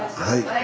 はい。